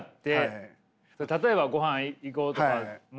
例えばごはん行こうとかも。